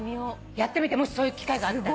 やってみてもしそういう機会があったら。